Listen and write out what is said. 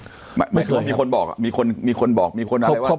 หมายถึงว่ามีคนบอกมีคนอะไรว่า